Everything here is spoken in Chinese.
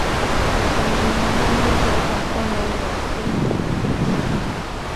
其他东京都所管公园有都立海上公园。